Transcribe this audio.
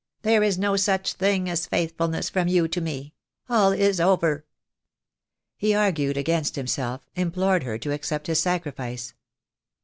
There is no such thing as faithfulness from you to me. All is over." He argued against himself — implored her to accept his sacrifice.